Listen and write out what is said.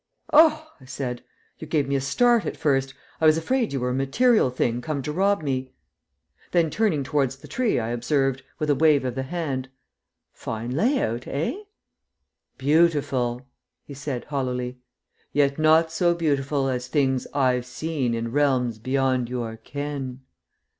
"Oh!" I said. "You gave me a start at first. I was afraid you were a material thing come to rob me." Then turning towards the tree, I observed, with a wave of the hand, "Fine lay out, eh?" "Beautiful," he said, hollowly. "Yet not so beautiful as things I've seen in realms beyond your ken."